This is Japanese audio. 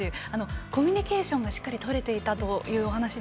コミュニケーションがしっかり取れていたという。